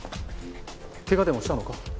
怪我でもしたのか？